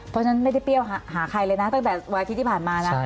เพราะฉะนั้นไม่ได้เปรี้ยวหาใครเลยนะตั้งแต่วันอาทิตย์ที่ผ่านมานะ